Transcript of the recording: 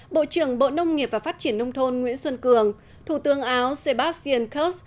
bộ trưởng bộ nông nghiệp và phát triển nông thôn nguyễn xuân cường thủ tướng áo sebastian kerrs